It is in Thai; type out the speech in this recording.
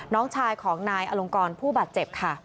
น้องชายของนายอลงกรผู้บาดเจ็บค่ะ